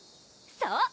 そう！